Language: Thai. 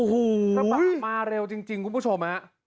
อ๋อหอยมาเร็วจริงนะคุณผู้ชม